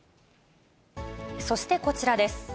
そしてこちらです。